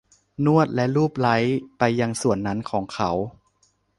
นวดและลูบไล้ไปยังส่วนนั้นของเขา